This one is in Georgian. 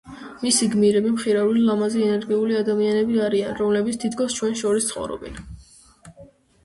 მისი გმირები, მხიარული, ლამაზი, ენერგიული ადამიანები არიან, რომლებიც თითქოს ჩვენ შორის ცხოვრობენ.